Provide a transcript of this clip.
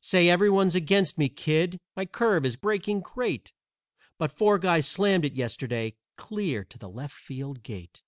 Say, everyone's against me, kid. My curve is breaking great, But four guys slammed it yesterday clear to the left field gate.